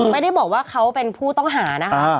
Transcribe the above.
ไม่ได้บอกว่าเขาเป็นผู้ต้องหานะคะ